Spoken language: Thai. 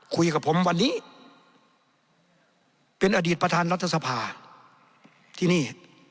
คุยกับผมวันนี้เป็นอดีตประธานรัฐสภาที่นี่